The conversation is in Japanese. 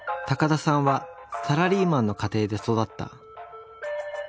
高田さんはサラリーマンの家庭で育った。